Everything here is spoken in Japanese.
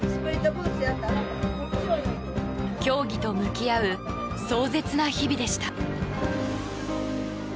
競技と向き合う壮絶な日々でした。